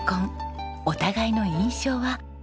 お互いの印象は。